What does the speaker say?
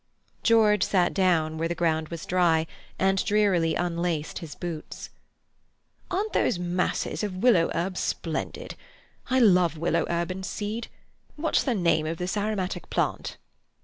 George sat down where the ground was dry, and drearily unlaced his boots. "Aren't those masses of willow herb splendid? I love willow herb in seed. What's the name of this aromatic plant?"